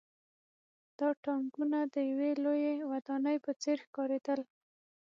دا ټانکونه د یوې لویې ودانۍ په څېر ښکارېدل